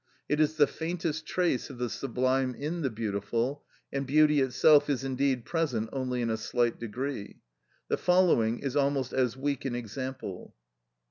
It is the faintest trace of the sublime in the beautiful; and beauty itself is indeed present only in a slight degree. The following is almost as weak an example.